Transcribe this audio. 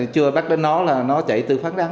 chưa bắt đến nó là nó chạy từ phán đáng